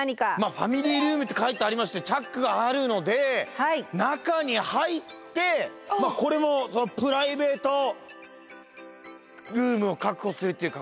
ファミリールームって書いてありましてチャックがあるので中に入ってこれもプライベートルームを確保するっていうか。